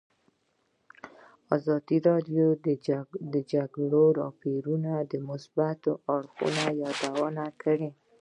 ازادي راډیو د د جګړې راپورونه د مثبتو اړخونو یادونه کړې.